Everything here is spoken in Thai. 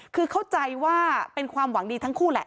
คือเข้าใจว่าเป็นความหวังดีทั้งคู่แหละ